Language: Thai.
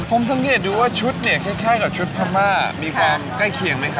ผมสังเกตดูว่าชุดเนี่ยคล้ายกับชุดพม่ามีความใกล้เคียงไหมครับ